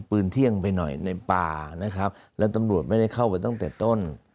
เที่ยงไปหน่อยในป่านะครับแล้วตำรวจไม่ได้เข้าไปตั้งแต่ต้น